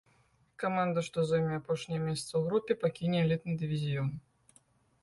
Каманда, што зойме апошняе месца ў групе, пакіне элітны дывізіён.